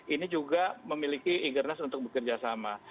ini juga memiliki eagerness untuk bekerjasama